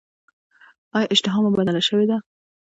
ایا اشتها مو بدله شوې ده؟